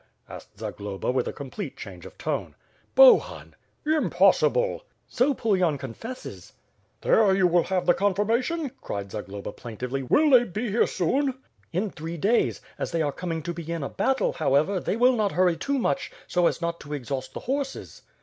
asked Zagloba with a complete change of tone. "Bohun!" "Impossible!" "So Pulyan confesses." "There you have the confirmation," cried Zagloba plain tively. "Will they be here soon?" "In three days. As they are coming to begin a battle, how ever, they will not hurry too much, so as not to exhaust the horses."